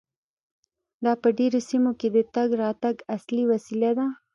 دا په ډیرو سیمو کې د تګ راتګ اصلي وسیله ده